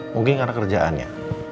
mungkin karena kerjaannya